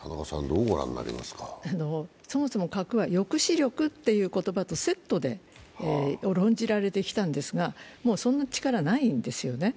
そもそも核は抑止力っていう言葉とセットで論じられてきたんですが、もうそんな力はないんですよね。